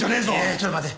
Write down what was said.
ちょっと待て。